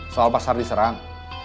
soal pasar diserang